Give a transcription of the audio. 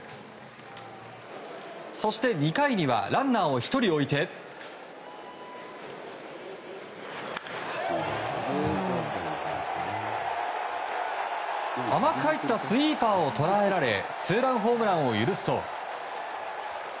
そして２回にはランナーを１人置いて甘く入ったスイーパーを捉えられツーランホームランを許すと。